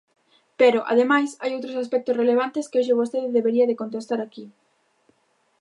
Pero, ademais, hai outros aspectos relevantes que hoxe vostede debería de contestar aquí.